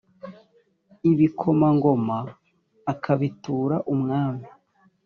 ibikomangoma akabitura umwami